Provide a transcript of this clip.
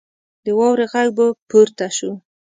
د واورې غږ به پورته شو.